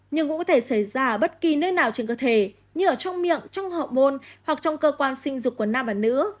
nhưng cũng có thể xảy ra ở bất kỳ nơi nào trên cơ thể như ở trong miệng trong họ môn hoặc trong cơ quan sinh dục của nam và nữ